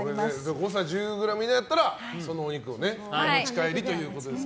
誤差１０ｇ以内だったらそのお肉をお持ち帰りということで。